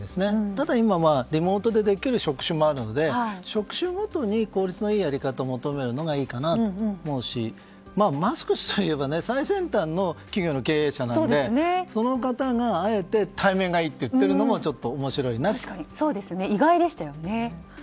ただ、今はリモートでできる職種もあるので職種ごとに効率のいいやり方を求めるのがいいかなと思うしマスク氏といえば最先端の企業の経営者なのでその方があえて対面がいいと言っているのもよっ！